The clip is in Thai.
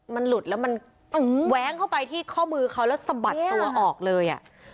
มันหลุดแล้วมันแว้งเข้าไปที่ข้อมือเขาแล้วสะบัดตัวออกเลยอ่ะ